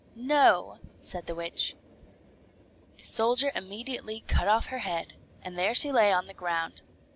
"No," said the witch. The soldier immediately cut off her head, and there she lay on the ground.